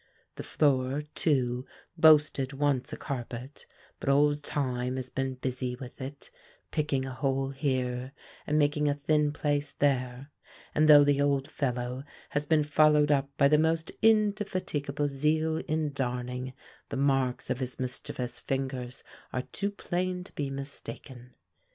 The floor, too, boasted once a carpet; but old Time has been busy with it, picking a hole here, and making a thin place there; and though the old fellow has been followed up by the most indefatigable zeal in darning, the marks of his mischievous fingers are too plain to be mistaken.